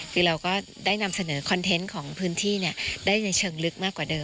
คือเราก็ได้นำเสนอคอนเทนต์ของพื้นที่ได้ในเชิงลึกมากกว่าเดิม